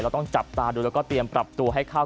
ต้องจับตาดูแล้วก็เตรียมปรับตัวให้เข้า